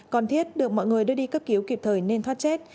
còn thiết được mọi người đưa đi cấp cứu kịp thời nên thoát chết